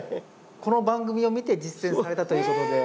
この番組を見て実践されたということで。